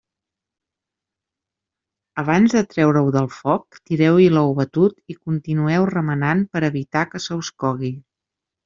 Abans de treure-ho del foc, tireu-hi l'ou batut i continueu remenant per a evitar que se us cogui.